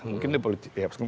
mungkin dia politisi